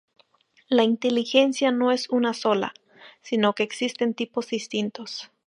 La inteligencia no es una sola, sino que existen tipos distintos.